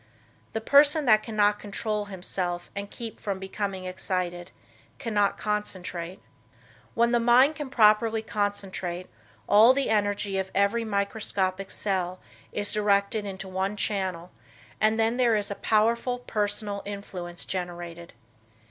The person that cannot control himself and keep from becoming excited cannot concentrate. When the mind can properly concentrate, all the energy of every microscopic cell is directed into one channel and then there is a powerful personal influence generated.